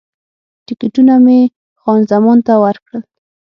ټکټونه مې خان زمان ته ورکړل.